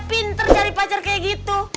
pinter cari pacar kayak gitu